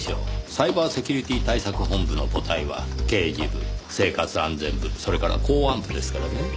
サイバーセキュリティ対策本部の母体は刑事部生活安全部それから公安部ですからね。